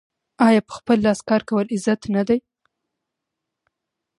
آیا په خپل لاس کار کول عزت نه دی؟